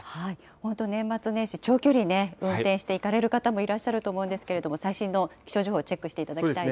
本当、年末年始、長距離の運転していかれる方もいらっしゃると思うんですけれども、最新の気象情報チェックしていただきたいですね。